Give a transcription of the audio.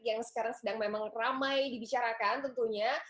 yang sekarang sedang memang ramai dibicarakan tentunya